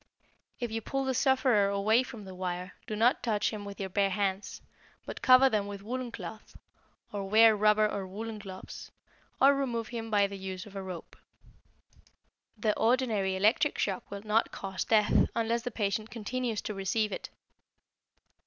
If you pull the sufferer away from the wire, do not touch him with your bare hands, but cover them with woolen cloth, or wear rubber or woolen gloves, or remove him by the use of a rope. The ordinary electric shock will not cause death unless the patient continues to receive it.